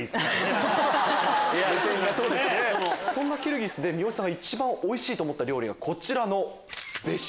そんなキルギスで三好さんが一番おいしいと思った料理が。